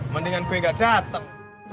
mendingan kau gak datang